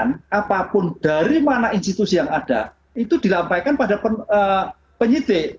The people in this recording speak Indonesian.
untuk keterangan apapun dari mana institusi yang ada itu dilampaikan pada penyitik